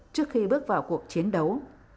trước khi bước vào cuộc chiến đấu